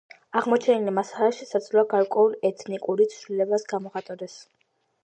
აღმოჩენილი მასალა შესაძლოა გარკვეულ ეთნიკური ცვლილებას გამოხატავდეს.